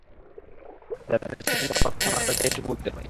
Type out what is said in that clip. যাদের সেখানে যাওয়ার কথা না, তাদেরকে, এটুকু বলতে পারি।